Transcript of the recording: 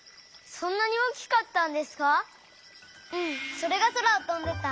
それがそらをとんでた。